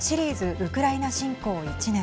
ウクライナ侵攻１年。